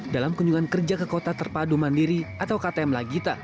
dalam kunjungan kerja ke kota terpadu mandiri atau ktm lagita